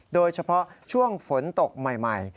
โดยเฉพาะช่วงฝนตกใหม่